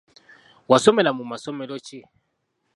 Wasomera mu masomero ki ?